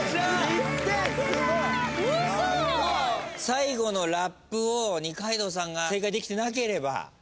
最後のラップを二階堂さんが正解できてなければ同点。